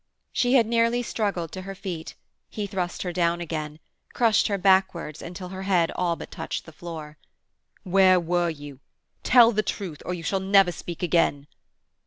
She had nearly struggled to her feet; he thrust her down again, crushed her backwards until her head all but touched the floor. "Where were you? Tell the truth, or you shall never speak again!"